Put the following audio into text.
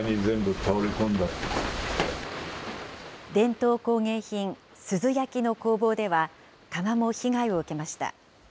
伝統工芸品、珠洲焼の工房では、窯も被害を受けました。